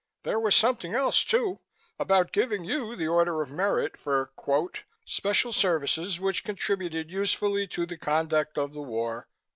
There was something else, too, about giving you the Order of Merit for quote special services which contributed usefully to the conduct of the war.